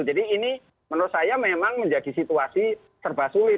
ini menurut saya memang menjadi situasi serba sulit